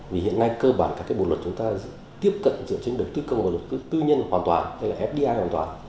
vì hiện nay cơ bản các cái bộ luật chúng ta tiếp cận dựa trên đầu tư công và đầu tư tư nhân hoàn toàn